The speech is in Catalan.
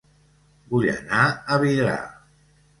Vull anar a Vidrà